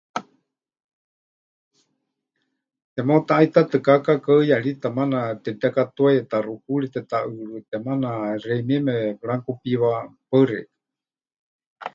Temeutaʼaitatɨká kaakaɨyarita maana temɨtekatuaya taxukuurite, taʼɨɨrɨɨ́te, maana xeimieme pɨranukupiwá.